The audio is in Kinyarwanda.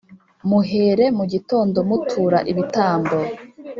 Muhere mu gitondo mutura ibitambo,